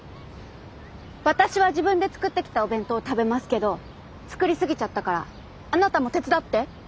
私は自分で作ってきたお弁当を食べますけど作り過ぎちゃったからあなたも手伝って。